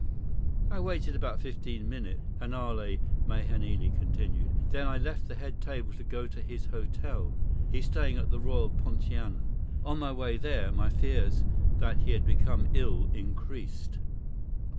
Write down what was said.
"I waited about fifteen minutes," Hanale Mahenili continued. "Then I left the head table to go to his hotel. He's been staying at the Royal Poinciana. On my way there, my fears that he had become ill increased."